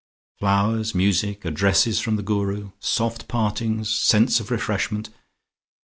Flowers, music, addresses from the Guru, soft partings, sense of refreshment....